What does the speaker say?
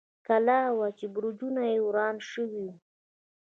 کلا وه، چې برجونه یې وران شوي و.